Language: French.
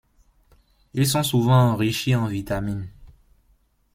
Ils sont souvent enrichis en vitamines.